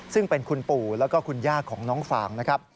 ซึ่งเป็นคุณปู่และคุณยากของน้องฟาง